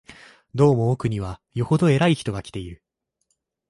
どうも奥には、よほど偉い人が来ている